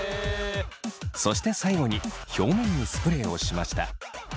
そして最後に表面にスプレーをしました。